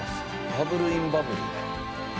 バブルインバブル。